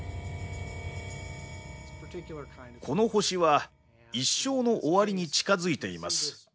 この星は一生の終わりに近づいています。